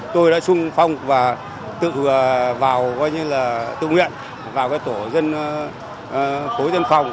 tôi đã xung phong và tự vào tự nguyện vào tổ dân phòng